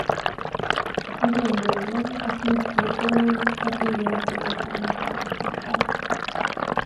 Az idény végén a klub szurkolói az év játékosának választották.